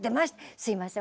「すいません。